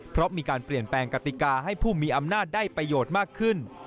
เพราะมีการเปลี่ยนแปลงกติกาให้ผู้มีอำนาจได้ประโยชน์มากขึ้น